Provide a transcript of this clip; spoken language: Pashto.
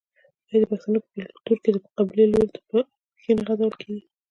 آیا د پښتنو په کلتور کې د قبلې لوري ته پښې نه غځول کیږي؟